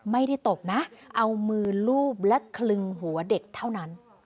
ตบนะเอามือลูบและคลึงหัวเด็กเท่านั้น